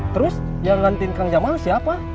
terus yang ngantin kang jamaah siapa